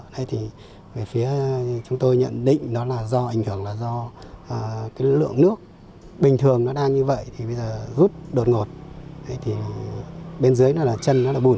thế thì phía chúng tôi nhận định là do ảnh hưởng là do lượng nước bình thường nó đang như vậy thì bây giờ rút đột ngột bên dưới nó là chân nó là bùn